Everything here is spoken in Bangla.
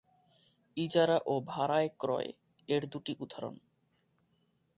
ইজারা ও ভাড়ায় ক্রয় এর দুটি উদাহরণ।